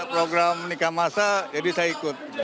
program menikah masa jadi saya ikut